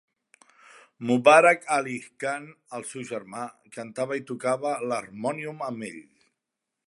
Mubarak Ali Khan, el seu germà, cantava i tocava l'harmònium amb ell.